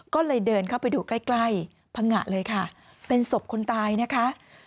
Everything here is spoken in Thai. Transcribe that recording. ก็เลยเดินเข้าไปดูใกล้ใกล้พังงะเลยค่ะเป็นศพคนตายนะคะ